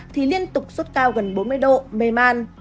thì liên tục sốt cao gần bốn mươi độ mê man